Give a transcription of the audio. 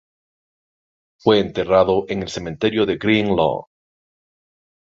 Fue enterrado en el cementerio de Green Lawn.